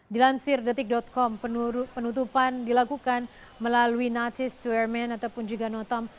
dilansir detik com penutupan dilakukan melalui natis to airmen ataupun juga notam